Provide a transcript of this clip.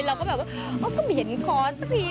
เราก็แบบก็เห็นขอสักที